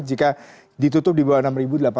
jika ditutup di bawah enam delapan ratus dua